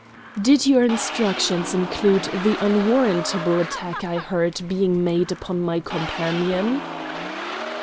"Did your instructions include the unwarrantable attack I heard being made upon my companion?"